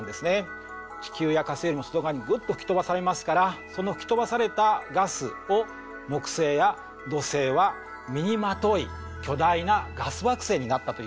地球や火星の外側にぐっと吹き飛ばされますからその吹き飛ばされたガスを木星や土星は身にまとい巨大なガス惑星になったというわけです。